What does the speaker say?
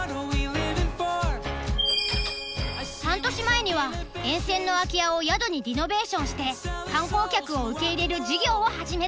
半年前には沿線の空き家を宿にリノベーションして観光客を受け入れる事業を始めたんだ。